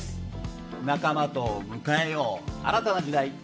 仲間と迎えよう新たな時代！